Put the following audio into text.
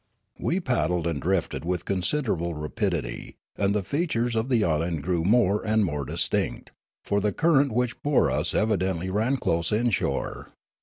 We paddled and drifted with considerable rapidity, and the features of an island grew more and mote dis tinct ; for the current which bore us evidently ran close inshore.